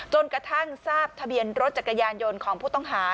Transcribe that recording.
จนกระทั่งทราบทะเบียนรถจักรยานยนต์ของผู้ต้องหา